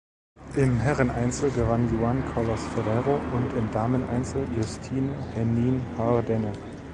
Im Herreneinzel gewann Juan Carlos Ferrero und im Dameneinzel Justine Henin-Hardenne.